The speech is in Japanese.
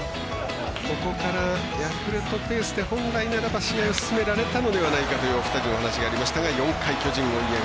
ここから、ヤクルトペースで本来ならば試合を進められたのではないかというお二人のお話がありましたが４回、巨人、追い上げ